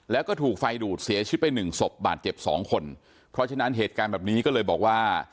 แล้วก็ถูกไฟดูดเสียชีวิตไปหนึ่งศพบาดเจ็บสองคนเพราะฉะนั้นเหตุการณ์แบบนี้ก็เลยบอกว่า